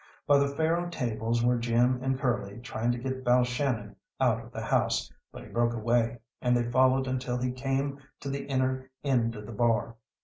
By the faro tables were Jim and Curly trying to get Balshannon out of the house, but he broke away, and they followed until he came to the inner end of the bar.